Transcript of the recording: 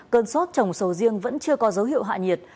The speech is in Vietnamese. cơn sốt trồng sầu riêng vẫn chưa có dấu hiệu hạ nhiệt